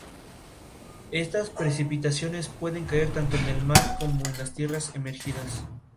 Estas precipitaciones pueden caer tanto en el mar como en las tierras emergidas.